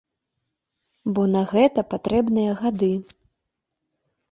Бо на гэта патрэбныя гады.